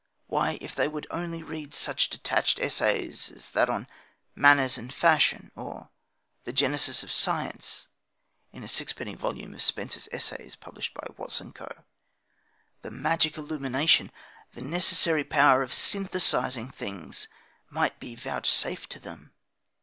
Why, if they would only read such detached essays as that on "Manners and Fashion," or "The Genesis of Science" (in a sixpenny volume of Spencer's Essays, published by Watts and Co.), the magic illumination, the necessary power of "synthetising" things, might be vouch safed to them.